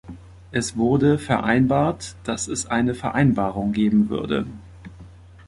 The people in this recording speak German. Es wurde vereinbart, dass es eine Vereinbarung geben würde.